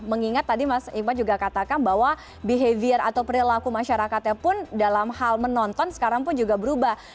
mengingat tadi mas ivan juga katakan bahwa behavior atau perilaku masyarakatnya pun dalam hal menonton sekarang pun juga berubah